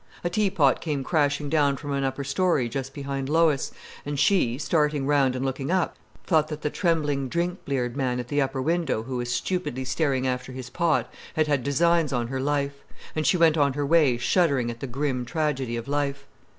A teapot came crashing down from an upper story just behind Lois, and she, starting round and looking up, thought that the trembling, drink bleared man at the upper window, who was stupidly staring after his pot, had had designs on her life; and she went on her way shuddering at the grim tragedy of life.